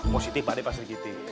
positif adek pasti gitu